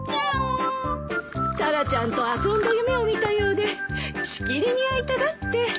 タラちゃんと遊んだ夢を見たようでしきりに会いたがって。